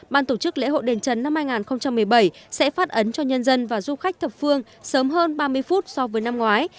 ban tổ chức lễ hội đền trấn năm hai nghìn một mươi bảy sẽ phát ấn cho nhân dân và du khách thập phương sớm hơn ba mươi phút so với năm ngoái